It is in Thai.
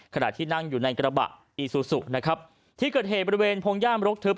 ขณะที่นั่งอยู่ในกระบะอีซูซูนะครับที่เกิดเหตุบริเวณพงย่ามรกทึบ